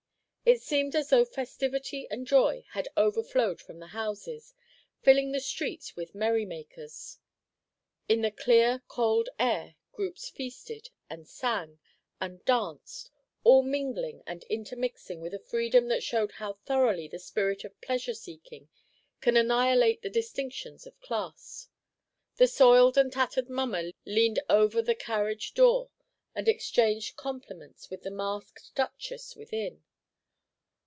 It seemed as though festivity and joy had overflowed from the houses, filling the streets with merry makers. In the clear cold air, groups feasted, and sang, and danced, all mingling and intermixing with a freedom that showed how thoroughly the spirit of pleasure seeking can annihilate the distinctions of class. The soiled and tattered mummer leaned over the carriage door and exchanged compliments with the masked duchess within.